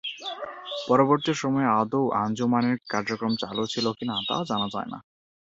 পরবর্তী সময়ে আদৌ আঞ্জুমানের কার্যক্রম চালু ছিল কিনা তা জানা যায় না।